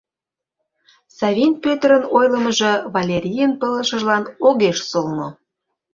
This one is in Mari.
Савин Пӧтырын ойлымыжо Валерийын пылышыжлан огеш солно.